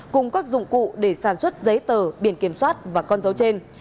cùng các dụng cụ để sản xuất giấy tờ biển kiểm soát và con dấu trên